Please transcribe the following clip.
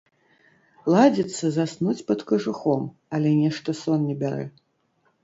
Ладзіцца заснуць пад кажухом, але нешта сон не бярэ.